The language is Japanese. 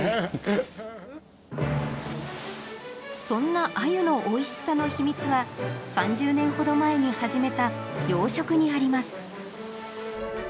そんなアユのおいしさの秘密は３０年ほど前に始めた養殖にあります